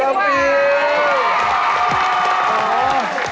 เป็นกาฟิลล์เลย